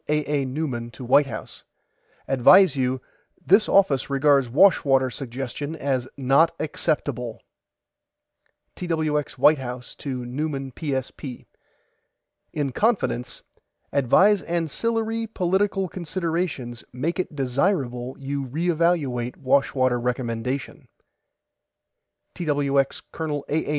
A. A. NEUMAN TO WHITE HOUSE: ADVISE YOU THIS OFFICE REGARDS WASHWATER SUGGESTION AS NOT ACCEPTABLE TWX WHITE HOUSE TO NEUMAN PSP: IN CONFIDENCE ADVISE ANCILLARY POLITICAL CONSIDERATIONS MAKE IT DESIRABLE YOU RE EVALUATE WASHWATER RECOMMENDATION TWX COL. A. A.